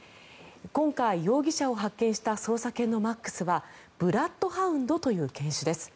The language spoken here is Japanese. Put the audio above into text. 今回、容疑者を発見した捜査犬のマックスはブラッドハウンドという犬種です。